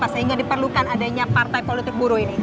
sehingga diperlukan adanya partai politik buruh ini